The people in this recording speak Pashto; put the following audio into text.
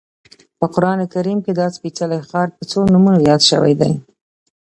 په قران کریم کې دا سپېڅلی ښار په څو نومونو یاد شوی دی.